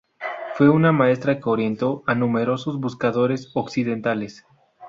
Fue una maestra que orientó a numerosos buscadores occidentales.